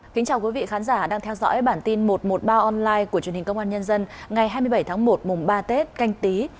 kính chào quý vị khán giả đang theo dõi bản tin một trăm một mươi ba online của truyền hình công an nhân dân ngày hai mươi bảy tháng một mùng ba tết canh tí